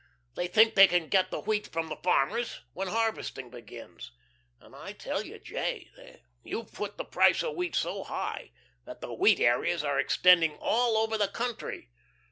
They think they can get the wheat from the farmers when harvesting begins. And I tell you, J., you've put the price of wheat so high, that the wheat areas are extending all over the country."